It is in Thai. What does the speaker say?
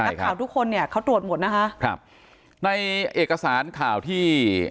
นักข่าวทุกคนเนี่ยเขาตรวจหมดนะคะครับในเอกสารข่าวที่